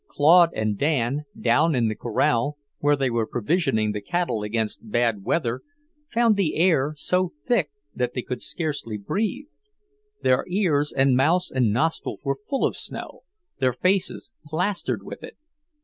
Claude and Dan, down in the corral, where they were provisioning the cattle against bad weather, found the air so thick that they could scarcely breathe; their ears and mouths and nostrils were full of snow, their faces plastered with it.